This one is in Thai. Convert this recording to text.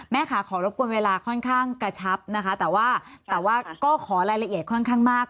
ค่ะขอรบกวนเวลาค่อนข้างกระชับนะคะแต่ว่าแต่ว่าก็ขอรายละเอียดค่อนข้างมาก